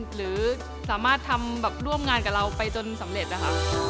หรือสามารถทำแบบร่วมงานกับเราไปจนสำเร็จนะคะ